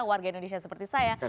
warga indonesia seperti saya